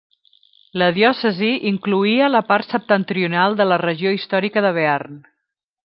La diòcesi incloïa la part septentrional de la regió històrica de Bearn.